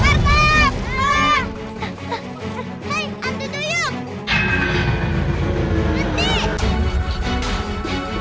ali rapat tunggu